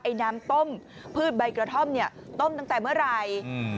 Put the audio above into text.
น้ำต้มพืชใบกระท่อมเนี่ยต้มตั้งแต่เมื่อไหร่